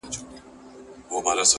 د عُمر زکندن ته شپې یوه، یوه لېږمه!!